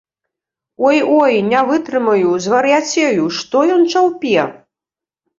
Ой, ой, не вытрымаю, звар'яцею, што ён чаўпе?!.